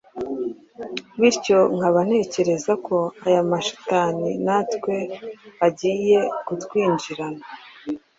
bityo nkaba ntekereza ko aya mashitani natwe agiye kutwinjirana